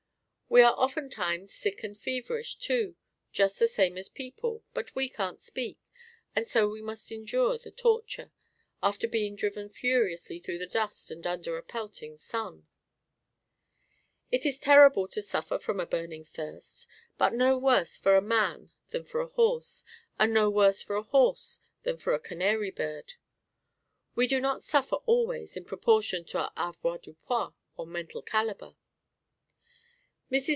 We are ofttimes sick and feverish, too, just the same as people, but we can't speak, and so we must endure the torture, after being driven furiously through the dust and under a pelting sun. It is terrible to suffer from a burning thirst, but no worse for a man than for a horse, and no worse for a horse than for a canary bird. We do not suffer always in proportion to our avoirdupois or mental caliber. Mrs.